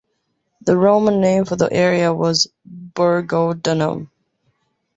The Roman name for the area was "Burgodunum".